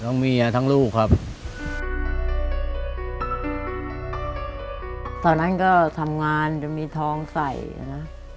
ตอนนั้นก็ทำงานจะมีทองใส่นะ